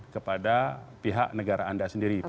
kepada pihak negara anda sendiri